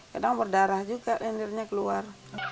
kadang berdarah juga lendirnya keluar